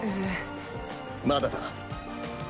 まだだ！